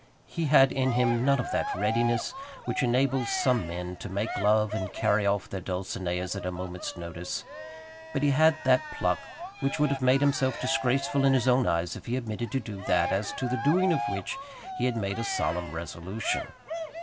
He had in him none of that readiness which enables some men to make love and carry off their Dulcineas at a moment's notice, but he had that pluck which would have made himself disgraceful in his own eyes if he omitted to do that as to the doing of which he had made a solemn resolution.